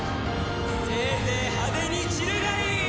せいぜい派手に散るがいい！